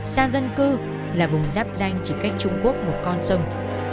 xa dân cư là vùng giáp danh chỉ cách trung quốc một con sông